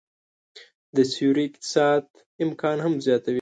د سیوري اقتصاد امکان هم زياتوي